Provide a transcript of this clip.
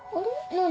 何？